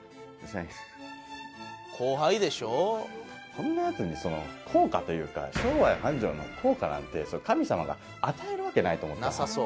こんなヤツに効果というか商売繁盛の効果なんて神様が与えるわけないと思って。